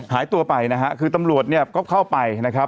หายตัวไปนะฮะคือตำรวจเนี่ยก็เข้าไปนะครับ